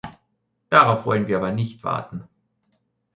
Darauf wollen wir aber nicht warten.